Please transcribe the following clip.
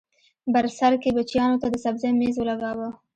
بر سر کې بچیانو ته د سبزۍ مېز ولګاوه